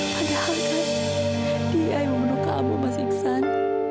padahal kan dia yang membunuh kamu mas iksan